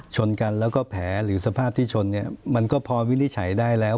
ชนกันแล้วก็แผลหรือสภาพที่ชนเนี่ยมันก็พอวินิจฉัยได้แล้ว